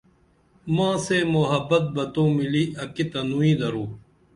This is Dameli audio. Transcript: ماں سے محبت بہ تو ملی اکی تنوئی درو